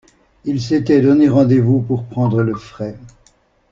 Ils s’étaient donné rendez-vous pour prendre le frais.